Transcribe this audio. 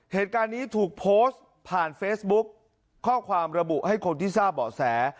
เหตุการณ์นี้ถูกโพสต์ผ่านเฟซบุ๊กข้อความระบุให้คนที่ทราบเบาะแส